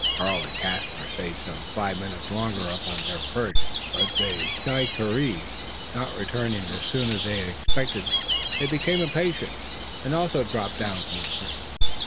Karl and Caspar stayed some five minutes longer upon their perch; but the shikaree not returning as soon as they had expected, they became impatient, and also dropped down from the tree.